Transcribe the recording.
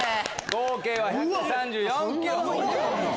合計は１３４ｋｇ。